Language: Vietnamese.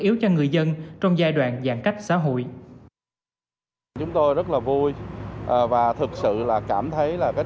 yếu cho người dân trong giai đoạn giãn cách xã hội chúng tôi rất là vui và thực sự là cảm thấy là cái